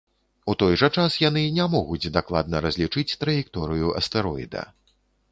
У той жа час яны не могуць дакладна разлічыць траекторыю астэроіда.